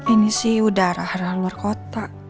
ini sih udah arah arah luar kota